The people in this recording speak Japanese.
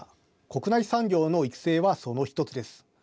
国内産業の育成はその１つです。